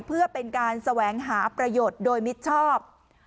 เพื่อเป็นการแสวงหาประโยชน์โดยมิชอบ